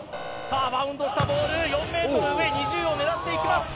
さあバウンドしたボール４ｍ上２０を狙っていきます